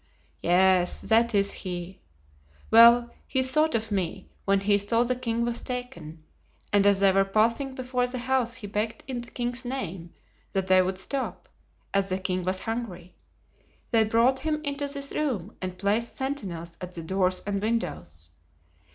"Yes, that is he. Well, he thought of me, when he saw the king was taken, and as they were passing before the house he begged in the king's name that they would stop, as the king was hungry. They brought him into this room and placed sentinels at the doors and windows.